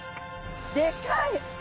でかい！